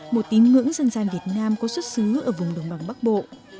một tín ngưỡng dân gian việt nam có xuất xứ ở vùng đồng bằng bắc bộ